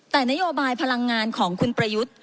แต่นโยบายพลังงานของคุณประยุทธ์